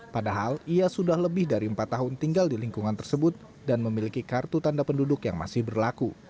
padahal ia sudah lebih dari empat tahun tinggal di lingkungan tersebut dan memiliki kartu tanda penduduk yang masih berlaku